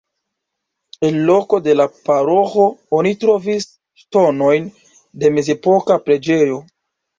En loko de la paroĥo oni trovis ŝtonojn de mezepoka preĝejo.